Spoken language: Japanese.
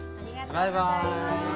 バイバイ！